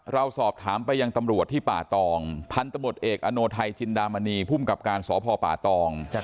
เราสอบถามไปยังตำรวจที่ป่าตองพันธมตเอกอโนไทยจินดามณีภูมิกับการสพป่าตอง